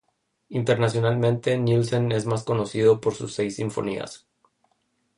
Internacionalmente, Nielsen es más conocido por sus seis sinfonías.